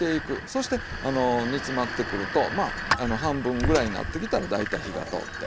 そして煮詰まってくるとまあ半分ぐらいになってきたら大体火が通って。